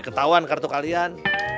ketauan kartu kalian